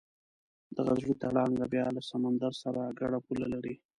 د غزې تړانګه بیا له سمندر سره ګډه پوله لري.